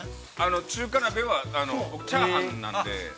◆中華鍋は、僕、チャーハンなんで。